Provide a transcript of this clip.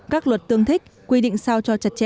các luật tương thích quy định sao cho chặt chẽ